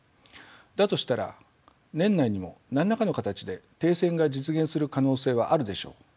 だとしたら年内にも何らの形で停戦が実現する可能性はあるでしょう。